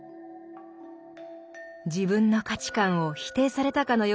自分の価値観を否定されたかのような衝撃を受け